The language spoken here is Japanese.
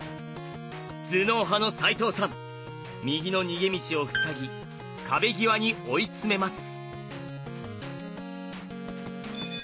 頭脳派の齋藤さん右の逃げ道を塞ぎ壁際に追い詰めます。